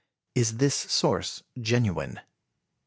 Is this source genuine?